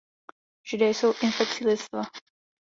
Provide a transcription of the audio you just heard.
Židé jsou infekcí lidstva.